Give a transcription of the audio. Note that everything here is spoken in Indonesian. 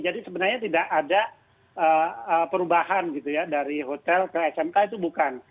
jadi sebenarnya tidak ada perubahan gitu ya dari hotel ke smk itu bukan